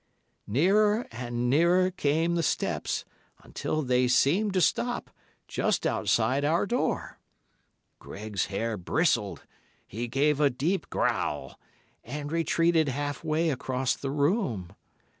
"Nearer and nearer came the steps, until they seemed to stop just outside our door. Greg's hair bristled, he gave a deep growl, and retreated half way across the room.